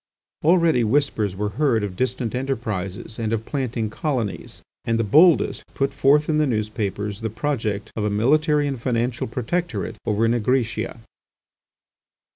Already whispers were heard of distant enterprises, and of planting colonies, and the boldest put forward in the newspapers the project of a military and financial protectorate over Nigritia.